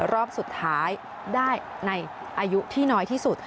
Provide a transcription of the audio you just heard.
รอบสุดท้ายได้ในอายุที่น้อยที่สุด